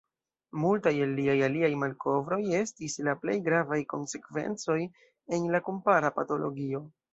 Multaj el liaj aliaj malkovroj estis la plej gravaj konsekvencoj en la kompara patologio.